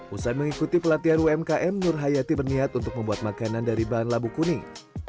usai mengikuti pelatihan umkm nur hayati berniat untuk membuat makanan dari bahan labu kuning